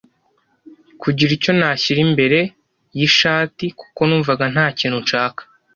kugira icyo nashyira imbere yishati kuko numvaga ntakintu nshaka